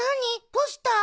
ポスター？